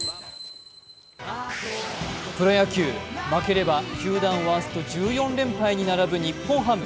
プロ野球、負ければ球団ワースト１４連敗に並ぶ日本ハム。